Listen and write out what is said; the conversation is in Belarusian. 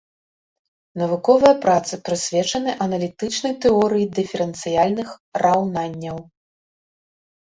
Навуковыя працы прысвечаны аналітычнай тэорыі дыферэнцыяльных раўнанняў.